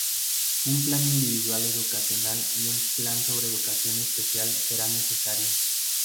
Un plan individual educacional y un plan sobre educación especial será necesario.